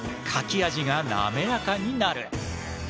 書き味がなめらかになる。